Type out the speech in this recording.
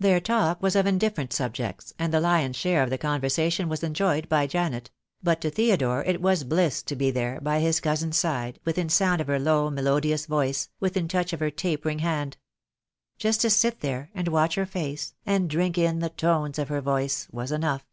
THE DAY WILL COME. 2 97 Their talk was of indifferent subjects, and the lion's share of the conversation was enjoyed by Janet; but to Theodore it was bliss to be there, by his cousin's side, within sound of her low melodious voice , within touch of her tapering hand. Just to sit there, and watch her face, and drink in the tones of her voice, was enough.